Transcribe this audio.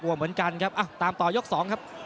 น่ากลัวเหมือนกันนะครับตามต่อยกสองครับ